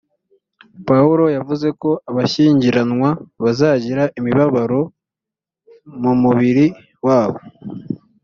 pawulo yavuze ko abashyingiranwa bazagira imibabaro mu mubiri wabo